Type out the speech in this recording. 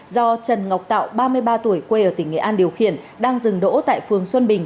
do trần ngọc tạo ba mươi ba tuổi quê ở tỉnh nghệ an điều khiển đang dừng đỗ tại phường xuân bình